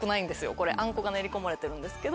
これあんこが練り込まれてるんですけど。